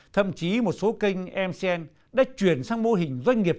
thậm chí một số kênh mcn đã chuyển sang mô hình doanh nghiệp